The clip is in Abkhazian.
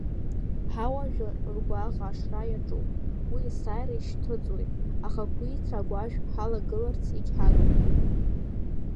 Ҳауаажәлар ргәаӷ ашра иаҿуп, уи есааира ишьҭыҵуеит, ахақәиҭра агәашә ҳалагыларц егьҳагым.